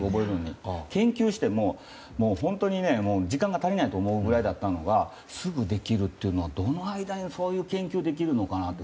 研究しても本当に時間が足りないと思うぐらいだと思うのがすぐできるというのはどの間にそういう研究ができるのかなと。